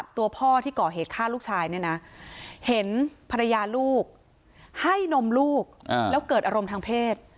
ตัวพ่อที่ก่อเหตุฆ่าลูกชายเนี่ยนะเห็นภรรยาลูกให้นมลูกแล้วเกิดอารมณ์ทางเพศ